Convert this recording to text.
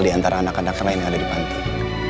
di antara anak anak lain yang ada di pantai